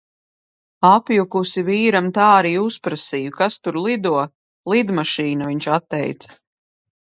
Apjukusi vīram tā arī uzprasīju: "Kas tur lido?" "Lidmašīna," viņš atteica.